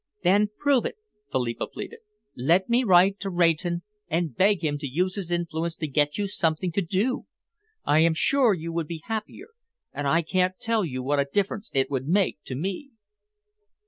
"Then prove it," Philippa pleaded. "Let me write to Rayton and beg him to use his influence to get you something to do. I am sure you would be happier, and I can't tell you what a difference it would make to me."